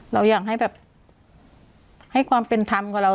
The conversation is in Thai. เราอยากให้แบบให้ความเป็นธรรมกับเรา